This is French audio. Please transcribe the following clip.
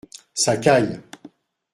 Ça caille.